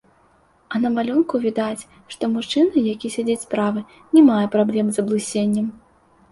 А на малюнку відаць, што мужчына, які сядзіць справа, не мае праблем з аблысеннем.